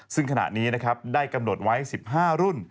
ซึ่งขณะนี้นะครับได้กำหนดไว้๑๕รุ่น